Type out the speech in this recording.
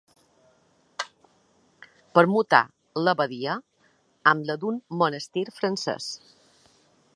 Permutà l'abadia amb la d'un monestir francès.